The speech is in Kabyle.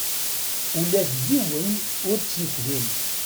Ula d yiwen ur tt-yefhim.